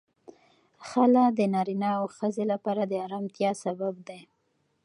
خلع د نارینه او ښځې لپاره د آرامتیا سبب دی.